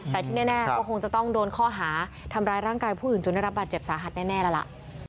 แต่ที่แน่ก็คงจะต้องโดนข้อหาทำร้ายร่างกายผู้อื่นจนได้รับบาดเจ็บสาหัสแน่แล้วล่ะ